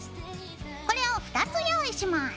これを２つ用意します。